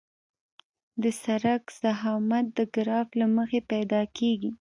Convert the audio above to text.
د سرک ضخامت د ګراف له مخې پیدا کیږي